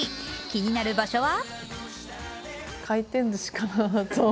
気になる場所は？